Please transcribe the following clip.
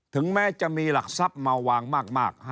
ถึงแม้จะมีหลักทรัพย์มาวางมาก